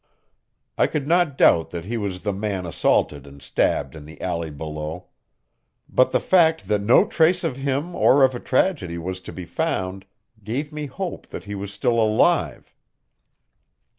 I could not doubt that he was the man assaulted and stabbed in the alley below. But the fact that no trace of him or of a tragedy was to be found gave me hope that he was still alive.